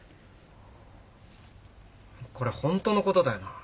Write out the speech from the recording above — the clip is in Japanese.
これホントのことだよな？